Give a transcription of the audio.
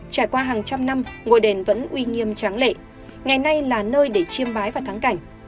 trải qua hàng trăm năm ngôi đền vẫn uy nghiêm tráng lệ ngày nay là nơi để chiêm bái và thắng cảnh